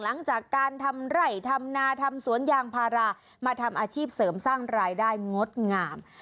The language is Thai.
หลังจากการทำไร่ทำนาทำสวนยางพารามาทำอาชีพเสริมสร้างรายได้งดงาม